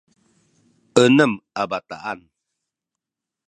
enem a bataan